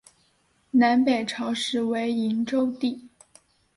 南北朝时为营州地。